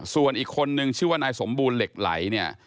ส่วนอีกคนนึงชื่อว่านายสมบูรณ์เหล็กไหลเนี่ย